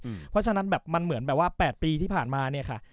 เพราะฉะนั้นแบบมันเหมือนแบบว่า๘ปีที่ผ่านมาเนี่ยค่ะ